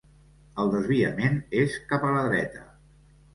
El desviament és cap a la dreta.